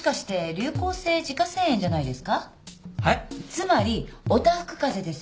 つまりおたふくかぜです。